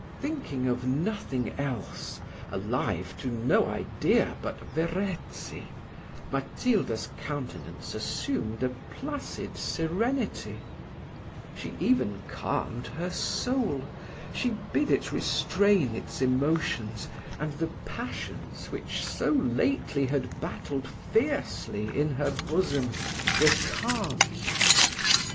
Thinking of nothing else, alive to no idea but Verezzi, Matilda's countenance assumed a placid serenity she even calmed her soul, she bid it restrain its emotions, and the passions which so lately had battled fiercely in her bosom, were calmed.